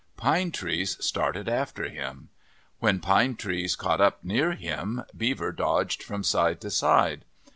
Pine Trees started after him. When Pine Trees caught up near him, Beaver dodged from side to side.